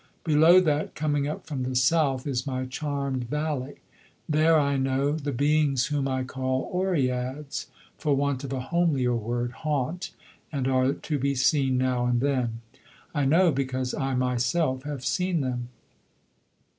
Below that, coming up from the south, is my charmed valley. There, I know, the beings whom I call Oreads, for want of a homelier word, haunt and are to be seen now and then. I know, because I myself have seen them.